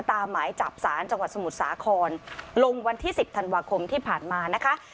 หมายจับสารจังหวัดสมุทรสาครลงวันที่๑๐ธันวาคมที่ผ่านมานะคะ